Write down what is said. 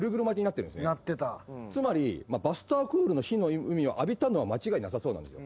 つまりバスターコールの火の海を浴びたのは間違いなさそうなんですよ